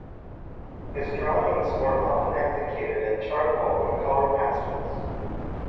His drawings were often executed in charcoal and colour pastels.